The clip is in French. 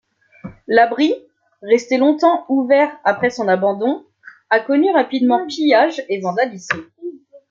L'abri, resté longtemps ouvert après son abandon, a connu rapidement pillages et vandalismes.